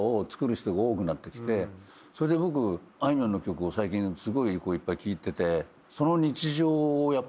それで僕あいみょんの曲を最近すごいいっぱい聴いてて。